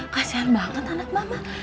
kasian banget anak mama